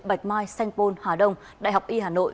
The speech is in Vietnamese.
bạch mai sanh pôn hà đông đại học y hà nội